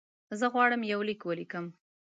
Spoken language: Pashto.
زه غواړم یو لیک ولیکم.